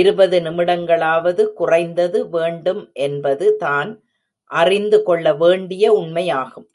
இருபது நிமிடங்களாவது குறைந்தது வேண்டும் என்பது தான் அறிந்து கொள்ள வேண்டிய உண்மையாகும்.